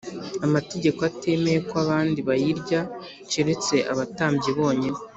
amategeko atemeye ko abandi bayirya, keretse abatambyi bonyine?”